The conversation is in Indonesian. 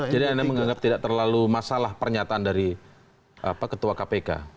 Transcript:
jadi anda menganggap tidak terlalu masalah pernyataan dari ketua kpk